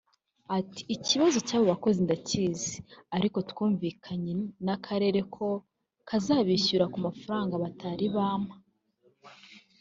Ati “Ikibazo cyabo bakozi ndakizi ariko twumvikanye n’akarere ko kazabishyura ku mafaranga batari bampa